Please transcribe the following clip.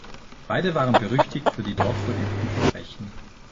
Beide waren berüchtigt für die dort verübten Verbrechen.